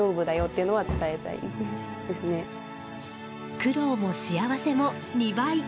苦労も幸せも２倍。